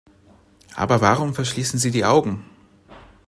Aber warum verschließen Sie die Augen?